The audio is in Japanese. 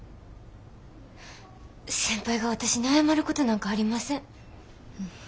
先輩が私に謝ることなんかありません。